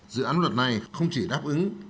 dự án luật này không chỉ đáp ứng